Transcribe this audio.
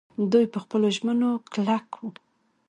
دوی په خپلو ژمنو کلک وو.